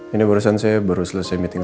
ini barusan saya baru selesai meeting